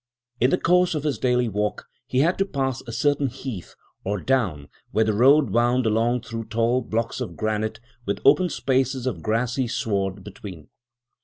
In the course of his daily walk he had to pass a certain heath or down where the road wound along through tall blocks of granite with open spaces of grassy sward between.